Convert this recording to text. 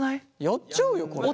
やっちゃうよこれ。